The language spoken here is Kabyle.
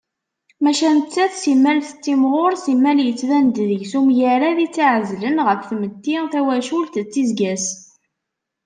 Maca, nettat simmal tettimɣur simmal yettban-d deg-s umgarad i tt-iεezlen ɣef tmetti, tawacult d tizya-s.